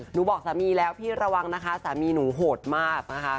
หนูบอกสามีแล้วพี่ระวังนะคะสามีหนูโหดมากนะคะ